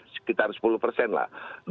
sekitar sepuluh persen lah